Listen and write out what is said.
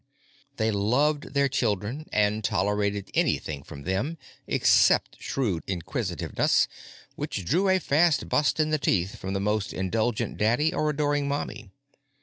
They loved their children and tolerated anything from them, except shrewd inquisitiveness which drew a fast bust in the teeth from the most indulgent daddy or adoring mommy.